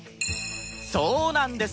そうなんです！